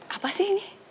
apa sih ini